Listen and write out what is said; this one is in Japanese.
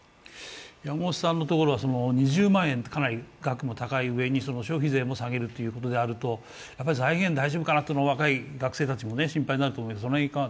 山本さんのところは２０万円、かなり額も高いうえにその消費税も下げるということになると財源大丈夫かなと学生も心配になりますが？